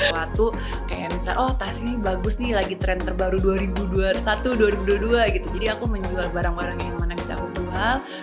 suatu kayak misalnya oh tas ini bagus nih lagi tren terbaru dua ribu dua puluh satu dua ribu dua puluh dua gitu jadi aku menjual barang barang yang mana bisa aku jual